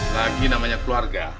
lagi namanya keluarga